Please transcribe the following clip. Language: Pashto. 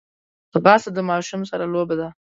ځغاسته د ماشوم سره لوبه ده